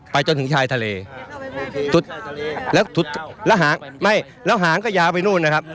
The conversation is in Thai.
ไปจนถึงชายทะเลแล้วฟถแล้วหางไม่แล้วหางก็ยาวไปนู้นเลยครับ